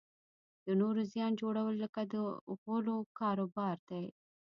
د نورو زیان جوړول لکه د غولو کاروبار دی.